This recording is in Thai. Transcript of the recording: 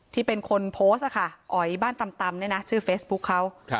ที่เป็นคนโพสต์ค่ะอ๋อยบ้านตำเนี่ยนะชื่อเฟซบุ๊คเขา